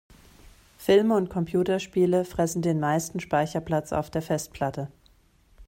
Filme und Computerspiele fressen den meisten Speicherplatz auf der Festplatte.